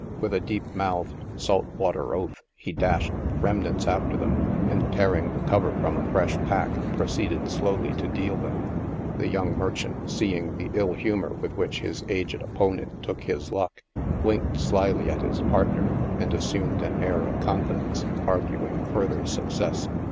With a deep mouthed, salt water oath, he dashed the remnant after them, and tearing the cover from a fresh pack, proceeded slowly to deal them — the young merchant seeing the ill humor with which his aged opponent took his luck, winked slyly at his partner and as sumed an air of confidence, arguing further success.